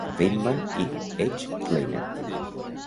Feynman i H. Kleinert.